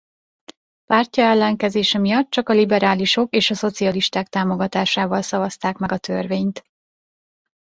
Pártja ellenkezése miatt csak a liberálisok és a szocialisták támogatásával szavazták meg a törvényt.